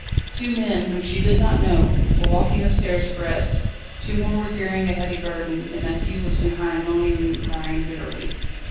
Two men, whom she did not know, were walking upstairs abreast, two more were carrying a heavy burden, and Matthieu was behind moaning and crying bitterly.